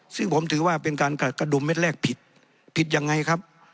ซึ่งผมถือว่าเป็นการกระดุมเม็ดแรกผิดผิดยังไงครับ